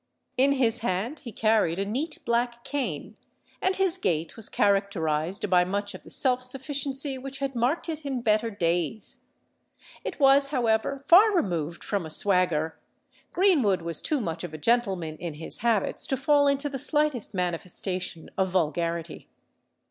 In his hand he carried a neat black cane; and his gait was characterised by much of the self sufficiency which had marked it in better days. It was, however, far removed from a swagger: Greenwood was too much of a gentleman in his habits to fall into the slightest manifestation of vulgarity.